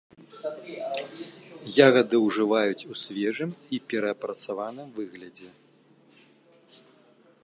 Ягады ўжываюць у свежым і перапрацаваным выглядзе.